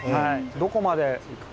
どこまでいくか。